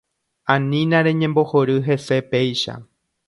Anína reñembohory hese péicha.